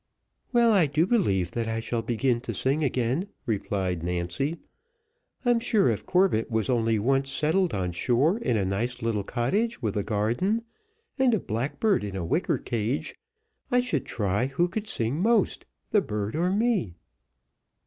"Well, I do believe that I shall begin to sing again," replied Nancy. "I'm sure if Corbett was only once settled on shore in a nice little cottage, with a garden, and a blackbird in a wicker cage, I should try who could sing most, the bird or me."